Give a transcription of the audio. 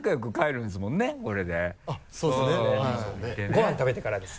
ごはん食べてからです。